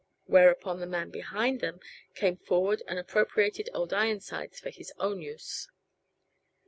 Whereupon the man behind them came forward and appropriated Old Ironsides to his own use.